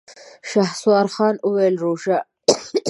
شهسوار خان وويل: روژه؟!